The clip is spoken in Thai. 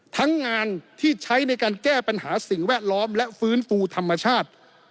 ทั้งงานที่ใช้ในการแก้ปัญหาสิ่งแวดล้อมและฟื้นฟูธรรมชาติ